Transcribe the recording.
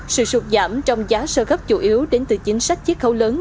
sự sụt giảm trong giá sơ gấp chủ yếu đến từ chính sách chiếc khấu lớn